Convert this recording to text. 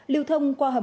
liều thông qua hà nội